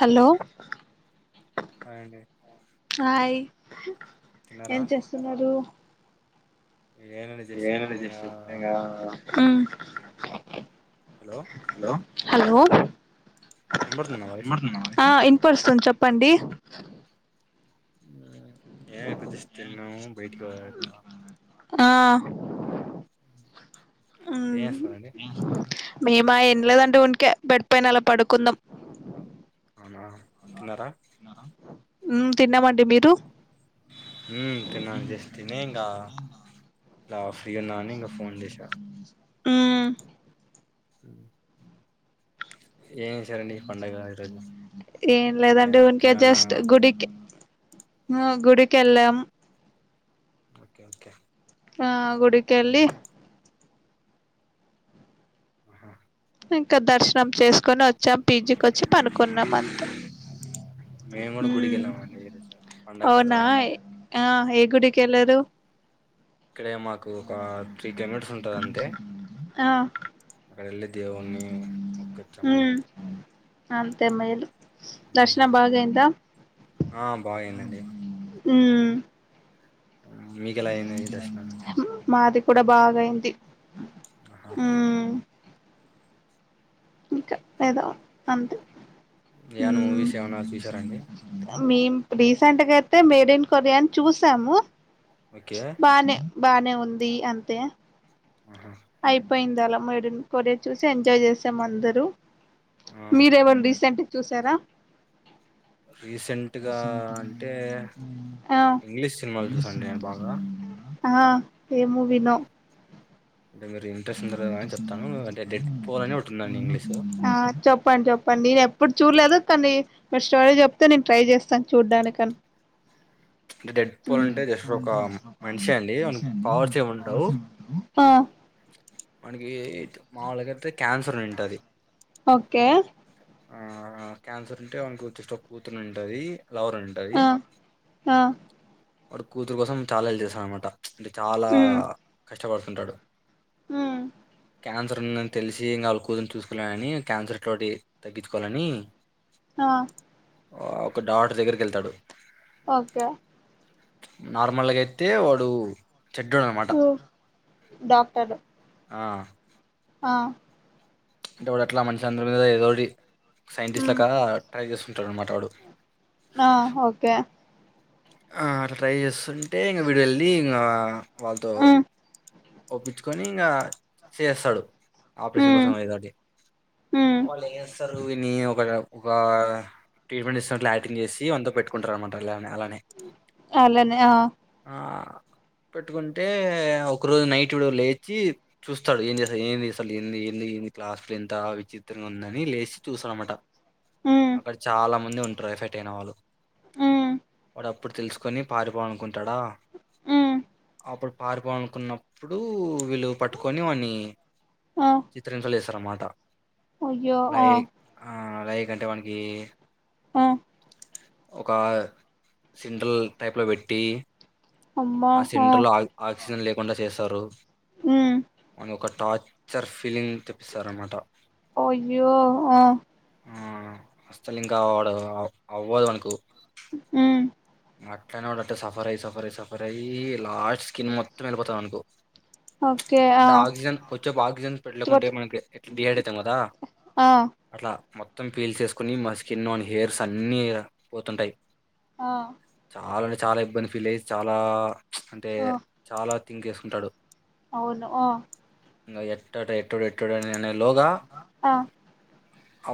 Hello hi అండి hi తిన్నారా ఏం చేస్తున్నారు ఏనండి జస్ట్ ఇప్పుడు ఇంగా ఏనుజషంగా అ హలో హలో [inaudible] వినబడుతుందా నా వాయిస్ [inaudible] పడుస్తుంది చెప్పండి ఉ ఏ ఎద్దదశ తిన్నము బయటికి ఆ ఏ స అడి మేము ఆ ఎంలదండే ఉంటిక పెడిపోయిన అలా పడుకుందాం అవునా తిన్నారా తిన్నామండి మీరు ఉ త న జస్ిన హంగా అలా అయ్యో నాన్న ఇంకా ఫోన్ చేసా ఆ అ ఏం లేదండి ఉకే జస్ట్ గుడికి ఆ గుడికిల ఓకే ఓకే ఆ మ్మ్. గుడికిలి ఆ ఇంకా దర్శనం చేస్త కని వచ్చాం పీజీకి వచ్చి పనుకున్నాం అంతే మేము కూడా గుడికి హమ్ వెళ్ళామండి ఈరోజు పండగ అవునా కదా ఏ గుడికి వెళ్ళరు ఇక్కడే మాకు ఒక త్రీ కిలోమీటర్స్ ఉంటుంది అంతే ఆ అక్కడ వెళ్ళే దేవు్ణని మొకుొచ్చామండి మ్ అంతే మైలు దర్శన భాగా అయింద ఆ బాగయిందండి మ్మ్ మీకుెలా ఏలా అయింది దర్శనం మాది కూడా బాగాయింది ఆహా ఇకా ఏద నందిీ ఏన్ మూవీస్ ఏమైనా చూసారాండి మేము రీసెంట్గా అయితే మేడ్ ఇన్ కొరియా చూసాము ఓకే బానే బానే ఉంది అంతే ఆహా అయిపోయింది అలా మేడ్ ఇన్ కొరియా చూసి ఎంజాయ్ చేసాం అందరుూ ఆ మీరేవ రీసెంట్ చూసారా రీసెంట్ గా అంటే ఆ ఇంగ్లీష్ సినిమాలు చూసండి నేను బాగా ఆ ఎం మోవినో అంటే మీరు ఇంట్రెస్ట్ ఉందో లేదో అని చెప్తాను అంటే డెడ్ పోల్ అని ఒకటి ఉందండి ఇంగ్లీష్ ఆ చెప్పండి చెప్పండి నేను ఎప్పుడు చూడలేదు కానీ మ స్టాలే చెప్తే నేను ట్రై చేస్తాను చూడ్డానికని అంటే డెడ్ పోల్ అంటే జస్ట్ ఒక మనిషి అండి అన పవర్స్ ఏం ఉండవ్ ఆ మనగ మావళగాతే క్యాన్సర్ ఉంటుంది ఓకే ఆ క్యాన్సర్ ఉంటే వానకి వచ్చష్ట కూతుని ఉంటంది ఒక లవర్ ఉంటది ఆ ఆ వాడు కూతురు కోసం ఛాలెంజ్ చేశాడు అనమాట అంటే చాలా కష్ట ఇష్టపడుతుంటాడు మ్మ్ క్యాన్సరుందని తెలిసి ఇంకా వాళ కూతుని చూస్కోలే అని క్యాన్సర్ తోటి తగ్గిచుకోలని ఆ ఆ ఒక డాటర్ దెగ్గరకెళ్తాడు ఒకే నార్మల్ అయితే వాడు చెడ్డోడు అనమాట మ్మ్ డాక్టర్ ఆ ఆ అంటె వాడు అట్లా మనిషి అందరి మీద ఏదోటి సైంటిస్ట్ ఉమ్ లక్క ట్రై చేస్తు తరం మాట్లాడు ఆ ఓకె ఆ రైయసన్ అంటే ఇంగ విడెల్లీ ఇంగా ఆ వాల్తో ఉమ్ ఒప్పిచ్చుకొని ఇంగా చేస్తాడు ఆపరేషన్ ఉమ్ కోసం ఏదోటి ఉమ్ వాళ్ళు ఏమిస్తారు ని ఒక ఒక ట్రీట్మెంట్ ఇస్తానట్లు యాక్టింగ్ చేసి వాంతో పెట్టుకుంటారు అనమాట లామే అలా అలనే ఆ ఆ పెట్టుకుంటే అవు ఒక రోజు నైట్ విడు లేచి చూస్తాడు ఏం చేస్తాడు ఏంది అస్సలు ఏంది ఏంది ఏందిట్ల అస్సల్ ఎంత విచిత్రంగా ఉందని లేచి చూస్తాడు అనమాట ఉమ్ అక్కడ చాలా మ మందే ఉంటరు ఎఫెక్ట్ అయిన వాళ్ళు ఉమ్ వాడు అప్పుడు తెలుసుకొని పారిపోవలనుకుంటాడా ఉమ్ అప్పుడు పారిపోను కున్నప్పుడూ వీళ్ళు పట్టుకొని వాన్ని ఆ చిత్రహింస లే తరమాట అయ్యో ఆ లైక్ అంటె వానికి ఆహ్ ఒక సిండ్రల్ టైప్ లో బెట్టి ఆ సిలిండర్ లో అక్క్ ఆక్సిజన్ లేకుండ చేస్తారు. ఉమ్ వాన్ని ఒక టాయి సర్ఫ్ అయ్యో ఆ ఆ అస్తలు ఇంకా వాడు అవ్వదనుకు ఉమ్ అట్లనే వాడు అంటే సఫర్ అయి సఫర్ అయి సఫర్ అయి లాస్ట్ స్కిన్ మొత్తం వెళ్ళిపోతాది వానుకు ఓకే ఆ అంటే ఆక్సిజన్ కొచ్చేపు ఆక్సిజన్ పెట్టకుంటే తువట్ మనకి ఎట్లా డిహైడ్ అయితం గదా ఆ అట్లా మొత్తం పీల్ చేసుకుని మా స్కిన్ వాని హెర్స్ అన్ని పోతుంటయి ఆ ఆల్రెడీ చాలా ఇబ్బంది ఫీల్ అయ్యి చాలా అంటే ఆ చాల థింక్ చేసుకుంటాడు అవును ఆ ఇంగా ఎట్టాట ఎట్టుడెట్టుడనే లోగా ఆ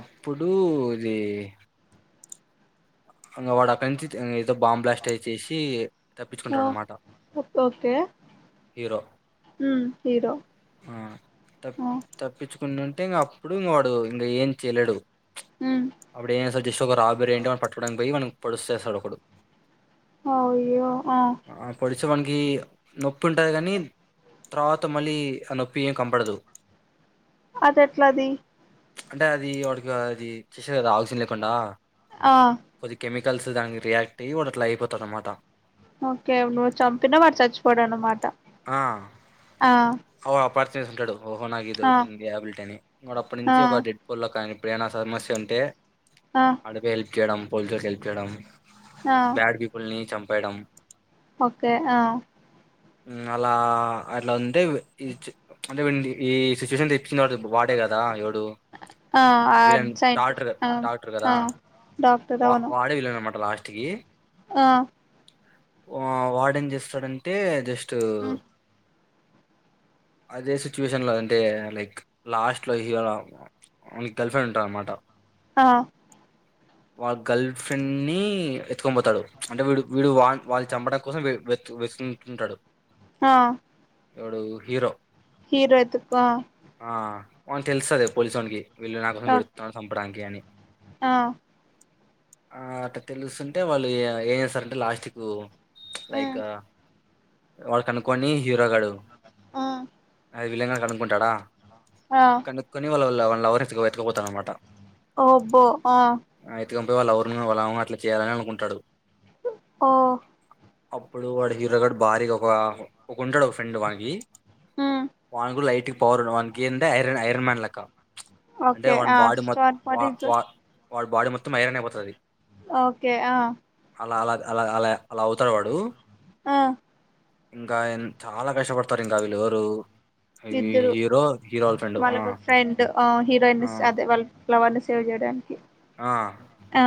అప్పుడు ఇది ఇంగోవాడ పెంచితే ఏదో బాంబ్ బ్లాస్ట్ అయిచేసి తప్పించుకుంటాడు. ఆ అన్నమాట ఓకే హీరో ఉమ్ హీరో అ తప్ ఆ తప్పి ఉంటే ఇంక అప్పుడు ఇంకా వాడు ఇంగ ఏం చేయలేడు. ఉమ్ అప్పుడే సజస్ ఒక రాబర్ ఏంట ప బయ్యమని పొడుసేస్తాడు ఒకడు. అయ్యో ఆ సో మనకి నొప్పి ఉంటది కనీ తరువాత మళ్ళీ అ నొప్పి ఏం కంబడదు. అది ఎట్లది అంటే అది వాడికి అది చేసారు. కదా ఆ తిన్నలేకుండా ఆ కొదికెమి కలిసి దానికి రియాక్ట్ అయ్యి వాళ్లట్ల అయిపోతారు అన్నమాట. ఓకే నవ్వు చంపినా వాడు చచ్చిపోడ అమాట ఆ ఎస్ంటాడు ఓహో నాగ ఇది ఆ ఒకటింది. ట్యాబలిట్ అని వాడు అప్పటి ఆ నుంచి ఒక డెడ్ పోలో కానీ ప్పుడైనా సమస్య ఉంటే ఆ అడవేల్ చేయడం పోల్ససెల్ప్ చేయడం. బ్యాడ్ పీపుల్ని చం పడం ఒకే ఆ అలా అట్లా ఉంటే ఈచ్ అంటే వీంది ఈ సిచ్యువేషన్ది చ్చినాడు ఇప్పు వాడే కదా ఎవడు ఆ ఆ విలన్ సైంటిస్ట్ డాక్టర్ ఆ డాక్టర్ కదా ఆ డాక్టర్ వా అవును వాడే విలునన్ను మాటలా టికి ఆ ఆ వాడేం చేస్తాడంటే జస్ట్ ట ఉమ్ అదే సిచ్యువేషన్ లో అంటే లైక్ లాస్ట్ లో హీరో గర్ల్ ఫ్రెండ్ ఉంటది అనమాట. ఆ వాళ్ళ గర్ల్ ఫ్రెండ్ ని ఎత్తుకొని పోతాడు. అంటే వీడు వీడు వా వాళ్ళు చంపడం కోసం విడు వేత వేసున్ ఉంటాడు. హా ఎవడు హీరో హీరో ఎతుకో ఆ అవున్ తెలుస్తది పోలీ వీళ్ళు నా కోసం ఓకే వెడుతున్నారు సంపటానికి అని ఆ అట్ట తెలుస్తుంటే వాళ్ళు ఏం చేస్తారంటే లాస్ట్ కు లైక్ వాళ్ళ కనుక్కొని హీరో గాడు ఆ అది విలంగాడు కనుక్కుంటాడా ఆ కనుకొని వాలవాల్ లవన్ లవర్ నీ ఎత్తుకు ఎతుకోపోతాడు అనమాట ఓబ్బో ఆ అయితే ఇంగు పోయి వల లవర్ ను వల అమ్మమ్మ అలా చేయాలని అనుకుంటాడు ఓ అప్పుడు వాడు హీరో గడ్ భారీగా ఒక ఒక ఉంటాడు ఒక ఫ్రెండ్ వానికి వానికి కూడా లైట్ పరును వానికి ఏం అంటే ఐరన్ ఐరన్ మాన్ లెక్క అంటే ఓకే వాన్ ఆ బాడు మొత్తం స్టార్ వాట్ వా ఇస్ వా వాడి బాడీ మొత్ మొత్తం ఐరన్ అయిపోతది ఓకే ఆ అలా అలా అలా అలా అలా అవుతాడు వాడు ఆ ఇంకా చాలా కష్టపడతారు ఇంకా వీళ్ళు ఎవరు ఇద్దరు వాళ్ళ ఆ ఫ్రెండ్ ఆ ఆ హీరోయిన్స్ అదే వాళ్ళ లవర్ ని సేవ్ చేయడానికి ఆ ఆ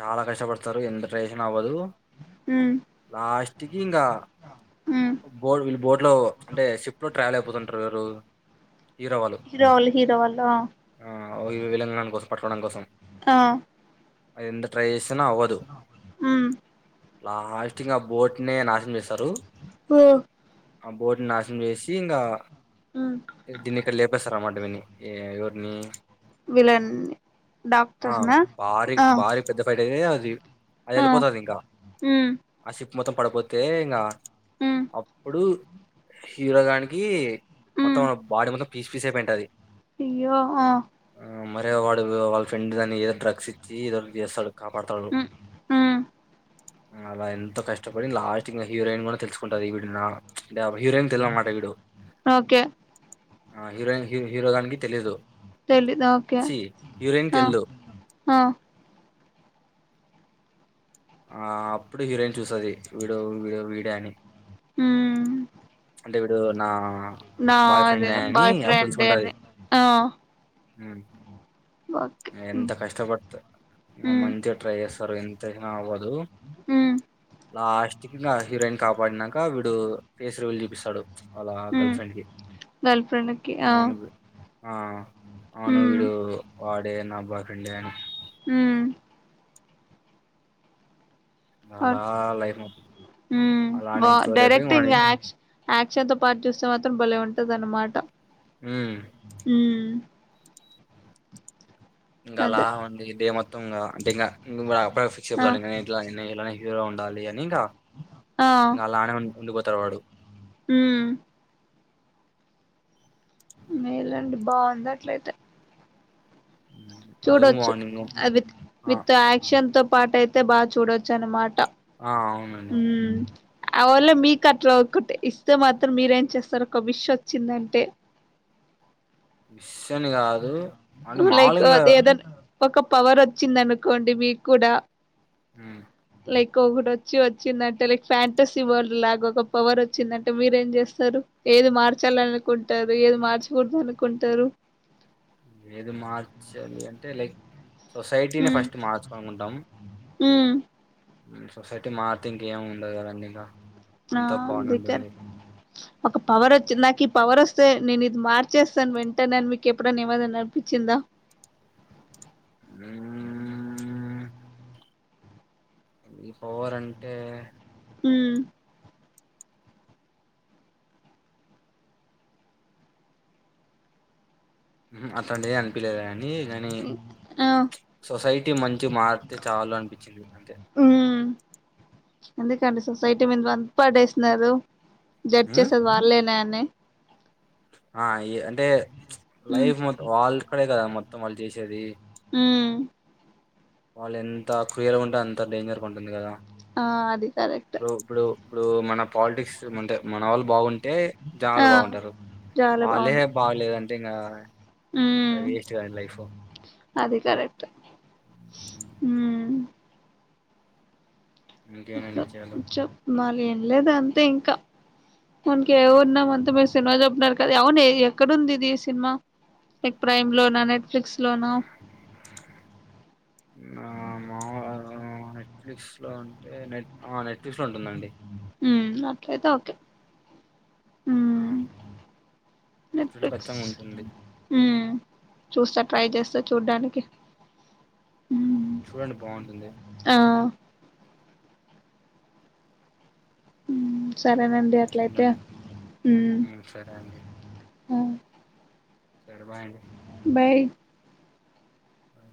చాలా కష్టపడతారు ఎంత ట్రై చేసినా అవ్వదు ఉమ్ లాస్ట్ కి ఇంగా ఉమ్ బోన్ వీళ్ళ బోట్ లో అంటే షిప్ లో ట్రయలు అయిపోతుంటారు రోల్ హీరో వాళ్లు వాళ్ళు హీరో వాళ్ళు ఆ ఆ విల్లన్ గాని కొసమ్ పట్టడం కోసం ఆ అది ఎంత ట్రై చేస్ ఉ లాస్ట్ కీ ఆ బోట్నే నాశనం చేస్తారు హ ఆ బోటుని నాశనం చేసి ఇంగా ఉమ్ దిన్ని ఇక్కడ లేపేసారు అన్నమాట వ ఎవర్ని విలన్ డాక్టర్నా బారకి పెద్ద ఫైట ది అది ఆ వెళ్ళిపోతుది ఇంకా ఉమ్ ఆ సీన్ మొత్తం పడపోతే ఇంకా ఉమ్ అప్పుడు హీరో దనికి మొత్తం ఉమ్ బాడీ మొత్తం పీస్ పీస్ అయి పోయింటది అయ్యో ఆ మరే వాడు వాళ్ళ ఫ్రెండ్ దాని ఏదో డ్రగ్స్ ఇచ్చి తీదకిస కాపాడతాడు మ్మ్ మ్మ్ అలా ఎంతో కష్టపడి లాస్ట్ ఇంకా హీరోయిన్ కూడా తెలుసుకుంటాది ఈడు నా హిరోయిన్ తెల్ అన్నమాట విడు ఓకే ఆ హీరోయిన్ హీరో హీరో గానికి తెలీయదు తెలిద ఓకే తెలియదు ఆ ఆ అప్పుడు హీరోయిన్ చూసది వీడో వడ వీడ అని ఉ అంటే ఇడు నా నా బాయ్ అదే ఫ్రెండ్ అని బాయ్ ఫ్రెం ఏ అనీ ఉ ఎంత కష్టపడత మ్మ్ మంచిగా ట్రై చేస్తారు అ అవ్వదు ఉ లాస్ట్ క ఇంకా హీరోయిన్ కాపాడినాక వీడు ఫేస్ రివ్యల్ చూపిస్తాడు వాళ్ళ ఉ గర్ల్ ఫ్రెండ్ కి గేల్ ఫ్రెంకి ఆ అవును బి- ఆ అవును మ్మ్ వీడు వాడేనా బాయ్ ఫ్రెండ్ అని ఉమ్ ఇంకా అలా లైఫ్ అలానే బా స్టోరీ అయిపోయి డైరెక్ట్ ఇం వాడి యాక్షన్ తో పాటు చూస్తే మాత్రం భలే ఉంటుంది అద అనమాట ఉమ్ ఉమ్ ఇంకా లా అదే ఉంది డే మొత్తం ఇ అంటేంకాం అ ఫిక్స్ ఆ చెతా ఇల ఉండాలి అని ఇంకా నళలానే ఉం వుండిపోతారు వాడు ఉమ్ ఉండ అట్లయితే ఉమ్, అదుగు చూడొచ్చు మార్నింగ్ ఆ విత్ ఆ విత్ యాక్షన్ తో పాట అయితే బాగా చూడొచ్చు అన్నమాట ఆ అవునండి అ వళ మీకు అట్లా ఒకటి ఇస్తే మాత్రం మీరేం చేస్తారు. ఒక విష్ వోచ్చిందంటే విష్ వచ్చని కాదు అంటే మము లైక్ లుగా ఏదనా ఒక పవర్ వోచ్చింది అనుకోండి. మీకు కూడా హ్ లైక్ ఒకటి వచ్చి వచ్చిందంటే లైక్ ఫ్యాంటసీ వరల్డ్ లాగా ఒక పవర్ వచ్చిందంటే మీరెం చేస్తారు. ఏది మార్చాల అనుకుంటారు. ఏది మార్చకూడదు అనుకుంటారు. ఏది మార్చాలి అంటే లైక్ సొసైటీనే ఉమ్ ఫస్ట్ మార్చు లనుకుంటాం ఉమ్ సొసైటీ మార్త ఇంకేమి ఉండదు కదండి ఇంకా ఆ అంత దగర్ బాగుంటుంది ఒక పవర్ వచ్చి నాకు ఈ పవర్ వస్తు స్తే నేను ఇది మార్చేస్తాను. వెంటనే మీకు ఎప్పుడైనా ఎవరిదన్న అనిపించిందా ఉమ్ ఈ పవర్ అంటే ఉమ్ అట్లాంటిది అనిపీలేదు గాని కానీ ఆ సొసైటీ మంచి మారితే చాలు అనిపించింది అంతే ఉమ్ ఎందుకండి సొసైటీ మీద వంత పడేస్తున్నారు మ్మ్ జడ్చెచేసేది వల్లే న ఆ ఈ అంటే ఉమ్ లైఫ్ మొ వాల్ కద కదా మొ మొత్తం వాళ్ళు చేసేది ఉమ్ వాళ్ళు ఎంత క్రియలుగుంటే అంత డేంజర్ ఉంటుంది కదా ఆ అది కరెక్టే ఇప్పుడు ఇప్పుడు ఇప్పుడు మన పాలిటిక్స్ అంటే మన వాళ్ళు బాగుం టే జనాలు ఆ బాగుంటారు. చాలా వాళ్ళే అవును బాగలేదంటే ఇంగా అది ఉమ్ వేస్ట్ కద లైఫ్ అది కరెక్టే ఉమ్ ఇంకేనండి విషయాలు [unintelligible] ఏం లేదు అంతే ఇంకా మనకి ఏమున్నా అంతా మీరు సినిమా చెప్పినారు కదా అవును ఎక్కడుంది ఇది ఈ సినిమా లైక్ ప్రైమ్ లోనా నెట్ఫ్లిక్స్ లోనా ఆ మా నెట్ఫ్లిక్స్ లో అంటే నెట్ ఆ నెట్ఫ్లిక్స్ లో ఉంటుందండి ఉ మ్ అట్లైతే ఓకే ఆ! ఉమ్ నెట్ఫ్లిక్స్‌లో నెట్ఫ్లిక్స్ ఖచ్చితంగా ఉంటుంది. ఉమ్ చూస్తా ట్రై చేస్తా చూడ్డానికి మ్ ఉమ్ చూడండి బాగుంటుంది ఆ ఉమ్ సరేనండి అట్లయితే ఇంకేంటండి? ఉ హ్మ్. సరే అండి. ఉ సరే బాయ్ అండి బాయ్ బాయ్